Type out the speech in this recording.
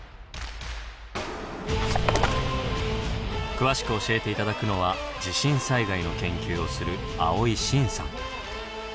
詳しく教えて頂くのは地震災害の研究をする